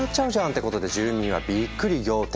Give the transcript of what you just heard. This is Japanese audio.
ってことで住民はびっくり仰天。